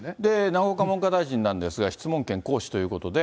永岡文科大臣なんですが、質問権行使ということで。